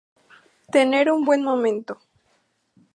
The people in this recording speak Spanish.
Tener un buen momento".